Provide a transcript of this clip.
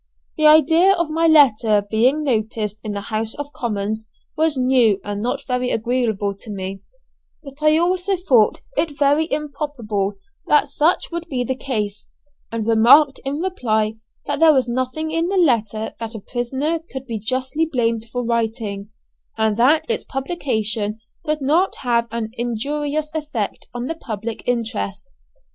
The idea of my letter being noticed in the House of Commons was new and not very agreeable to me, but I also thought it very improbable that such would be the case, and remarked in reply that there was nothing in the letter that a prisoner could be justly blamed for writing, and that its publication could not have an injurious effect on the public interest.